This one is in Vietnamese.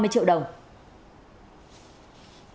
vào dạng sáng nay